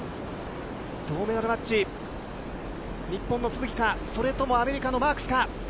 銅メダルマッチ、日本の都築か、それともアメリカのマークスか。